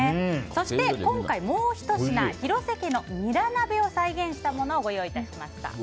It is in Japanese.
そして今回もうひと品広瀬家のニラ鍋を再現したものをご用意しました。